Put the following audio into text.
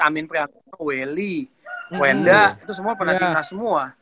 amin prianto welly wenda itu semua pernah timnas semua